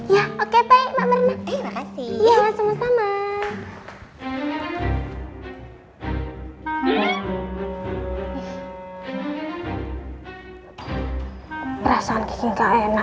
ya oke baik mak marina